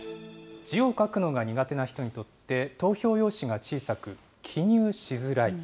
字を書くのが苦手な人にとって、投票用紙が小さく、記入しづらい。